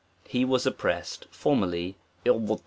ie was oppressed, formerly JC& I